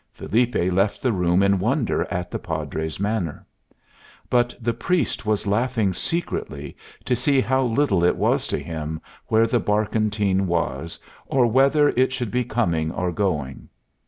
Felipe left the room in wonder at the Padre's manner. But the priest was laughing secretly to see how little it was to him where the barkentine was, or whether it should be coming or going.